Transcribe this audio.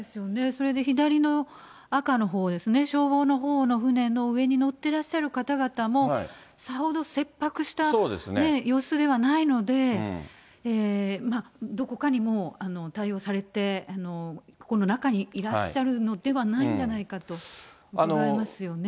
それで左の赤のほうですね、消防のほうの船の上に乗ってらっしゃる方々も、さほど切迫した様子ではないので、どこかにもう対応されて、この中にいらっしゃるのではないんじゃないかとうかがえますよね。